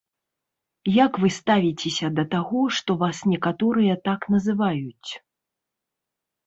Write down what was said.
Як вы ставіцеся да таго, што вас некаторыя так называюць?